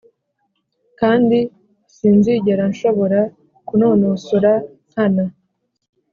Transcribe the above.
kandi sinzigera nshobora kunonosora nkana,